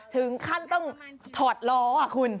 ถึงขั้นต้องถอดล้อคุณ